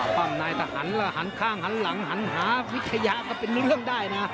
ความนายตะหันหันข้างหันหลังหันหาพิขยาก็เป็นเรื่องได้นะ